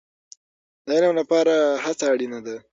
د علم لپاره هڅه اړین ده